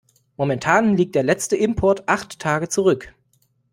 Momentan liegt der letzte Import acht Tage zurück.